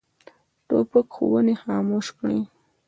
توپک ښوونکي خاموش کړي.